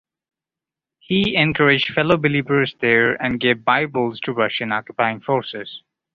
He encouraged fellow believers there and gave Bibles to Russian occupying forces.